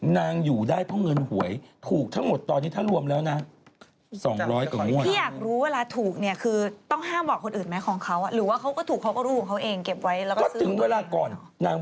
อยู่ได้เพราะเงินหวยถูกทั้งหมดตอนนี้ถ้ารวมแล้วนะ